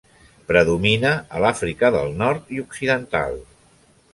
Predomina a l'Àfrica del Nord i Occidental.